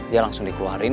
dia langsung dikeluarin